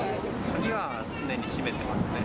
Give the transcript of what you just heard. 鍵は常に閉めてますね。